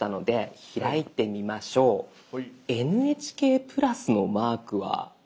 「ＮＨＫプラス」のマークは。